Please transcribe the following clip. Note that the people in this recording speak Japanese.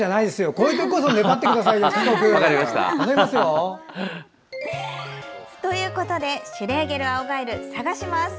こういう時こそ粘ってくださいよ。ということでシュレーゲルアオガエルを探します。